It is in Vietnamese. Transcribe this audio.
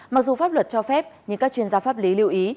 mặc dù pháp luật cho phép nhưng các chuyên gia pháp lý lưu ý